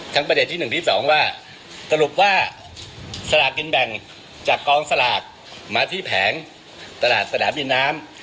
ประเด็นที่๑ที่๒ว่าสรุปว่าสลากกินแบ่งจากกองสลากมาที่แผงตลาดสนามบินน้ำ